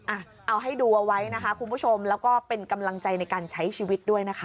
อ่ะเอาให้ดูเอาไว้นะคะคุณผู้ชมแล้วก็เป็นกำลังใจในการใช้ชีวิตด้วยนะคะ